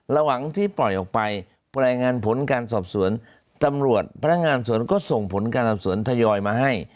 ระหว่างที่ปล่อยออกไปรายงานผลการสอบสวนตำรวจพนักงานสวนก็ส่งผลการสอบสวนทยอยมาให้